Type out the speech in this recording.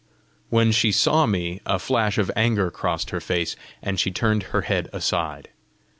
When she saw me, a flash of anger crossed her face, and she turned her head aside.